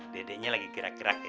dedeknya lagi gerak gerak ya